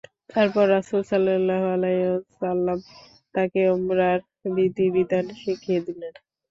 তারপর রাসূলুল্লাহ সাল্লাল্লাহু আলাইহি ওয়াসাল্লাম তাকে উমরার বিধি-বিধান শিখিয়ে দিলেন।